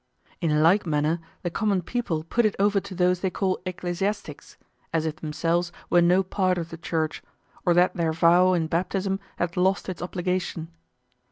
In like manner the common people put it over to those they call ecclesiastics, as if themselves were no part of the Church, or that their vow in baptism had lost its obligation.